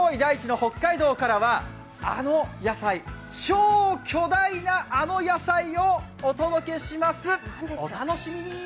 北海道からはあの野菜、超巨大なあの野菜をお届けします。